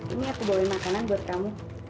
ini aku bawain makanan buat kamu